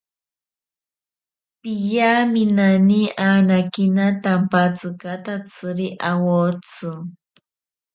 Piyaminani anakina tampatsikatatsiri awotsi.